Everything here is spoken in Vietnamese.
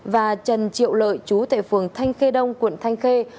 và trần triệu lợi chú tại phường thanh khê đông quận thanh khê